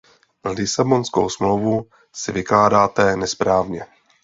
Lisabonskou smlouvu si vykládáte nesprávně.